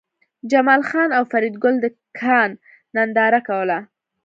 جمال خان او فریدګل د کان ننداره کوله